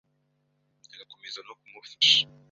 agakomeza no ku mufasha